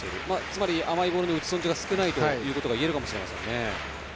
つまり、甘いボールの打ち損じが少ないということがいえるかもしれません。